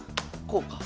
こうか！